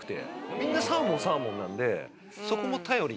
みんなサーモンサーモンなんでそこも頼りに。